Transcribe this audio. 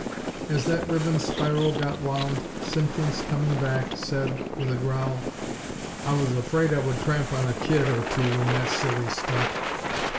_ As that ribbon spiral got wound, Simpkins, coming back, said, with a growl: "I was afraid I would tramp on a kid or two in that silly stunt."